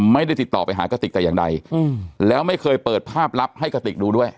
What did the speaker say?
ไม่ได้ติดต่อไปหากติกแต่อย่างใดแล้วไม่เคยเปิดภาพลับให้กระติกดูด้วย